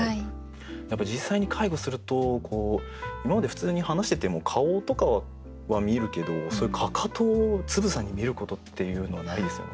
やっぱり実際に介護すると今まで普通に話してても顔とかは見えるけどそういうかかとをつぶさに見ることっていうのはないですよね。